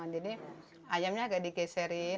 jadi ayamnya agak digeserin